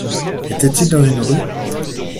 Était-il dans une rue?